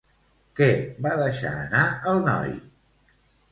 Què va deixar anar el noi?